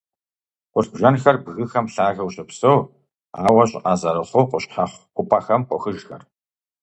Къурш бжэнхэр бгыхэм лъагэу щопсэу, ауэ щӀыӀэ зырыхъуу, къущхьэхъу хъупӀэхэм къохыжхэр.